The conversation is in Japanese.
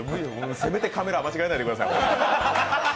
せめてカメラは間違えないでください。